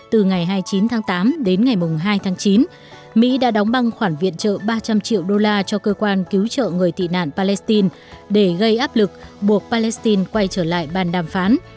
từ ngày hai mươi chín tháng tám đến ngày hai tháng chín mỹ đã đóng băng khoản viện trợ ba trăm linh triệu đô la cho cơ quan cứu trợ người tị nạn palestine để gây áp lực buộc palestine quay trở lại bàn đàm phán